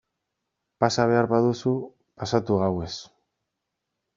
Pasa behar baduzu pasatu gauez...